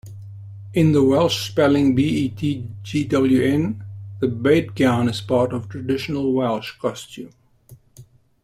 In the Welsh spelling "betgwn", the bedgown is part of traditional Welsh costume.